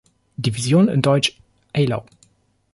Division in Deutsch-Eylau.